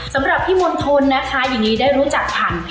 สำหรับพี่มนต์ทนนะคะหญิงลีได้รู้จักผ่าน